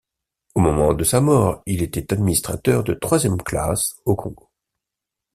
Au moment de sa mort, il était administrateur de troisième classe au Congo.